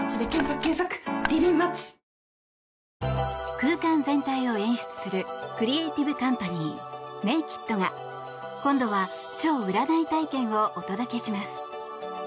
空間全体を演出するクリエーティブカンパニーＮＡＫＥＤが今度は超占い体験をお届けします。